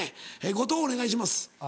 後藤お願いします。